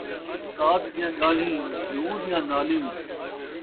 استاد دیاں ڳالھیں، گھیو دیاں نالیں